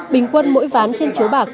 bình quân mỗi ván trên chiếu bạc